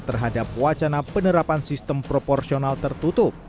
terhadap wacana penerapan sistem proporsional tertutup